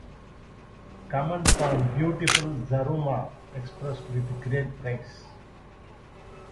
Comments on beautiful Zaruma, expressed with great praise.